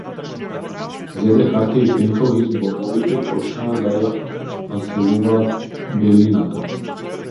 Зеде хартија и пенкало и зборовите почнаа да ја населуваат белината.